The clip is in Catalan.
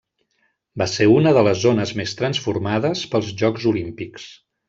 Va ser una de les zones més transformades pels Jocs Olímpics.